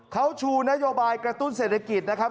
เขาชูนโยบายกระตุ้นเศรษฐกิจนะครับ